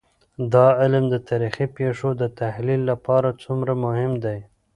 دا علم د تاريخي پېښو د تحلیل لپاره څومره مهم دی؟